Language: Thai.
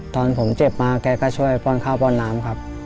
ตอนผมเจ็บมาแกก็ช่วยป้อนข้าวป้อนน้ำครับ